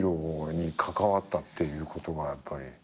『ＨＥＲＯ』に関わったっていうことがやっぱり。